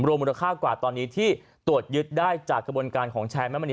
มูลค่ากว่าตอนนี้ที่ตรวจยึดได้จากกระบวนการของแชร์แม่มณี